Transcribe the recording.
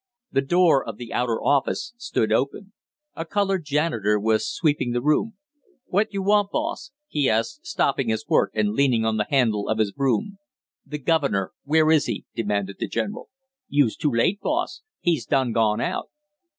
The door of the outer office stood open. A colored janitor was sweeping the room. "Who you want, boss?" he asked, stopping his work and leaning on the handle of his broom. "The governor where is he?" demanded the general. "You's too late, boss, he's done gone out."